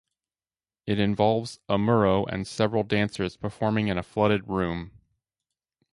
It involves Amuro and several dancers performing in a flooded room.